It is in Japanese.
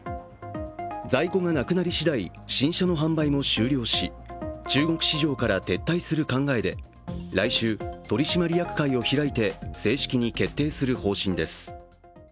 在庫がなくなり次第、新車の販売も終了し中国市場から撤退する考えで、来週、取締役会を開いて正式に決定する方針です。